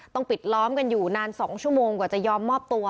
ปิดล้อมกันอยู่นาน๒ชั่วโมงกว่าจะยอมมอบตัว